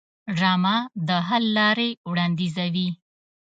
ډرامه د حل لارې وړاندیزوي